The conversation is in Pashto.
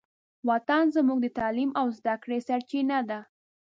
وطن زموږ د تعلیم او زدهکړې سرچینه ده.